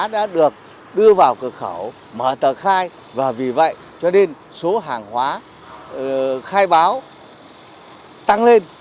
đã được đưa vào cửa khẩu mở tờ khai và vì vậy cho nên số hàng hóa khai báo tăng lên